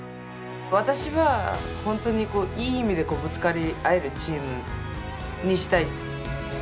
私は本当にいい意味でぶつかり合えるチームにしたい。